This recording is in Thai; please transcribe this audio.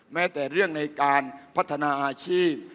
แม้แต่เรื่องในการพัฒนาอาชีพ